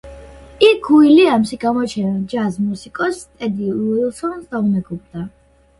იქ უილიამსი გამოჩენილ ჯაზ მუსიკოსს ტედი უილსონს დაუმეგობრდა.